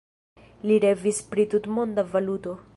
Li revis pri tutmonda valuto.